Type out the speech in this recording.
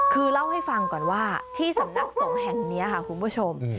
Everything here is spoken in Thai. คือเล่าให้ฟังก่อนว่าที่สำนักสงฆ์แห่งนี้ค่ะคุณผู้ชม